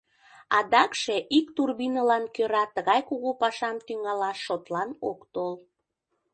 Адакше ик турбинлан кӧра тыгай кугу пашам тӱҥалаш шотлан ок тол.